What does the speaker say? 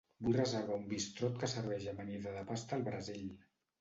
Vull reservar un bistrot que serveix amanida de pasta al Brasil.